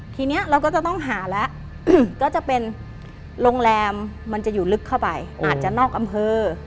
ทีนี้เราก็จะต้องหาแล้วก็จะเป็นโรงแรมมันจะอยู่ลึกเข้าไปอาจจะนอกอำเภอ